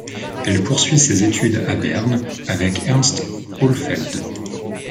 Elle poursuit ses études à Bern avec Ernst Hohlfeld.